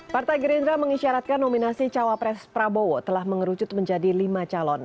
partai gerindra mengisyaratkan nominasi cawapres prabowo telah mengerucut menjadi lima calon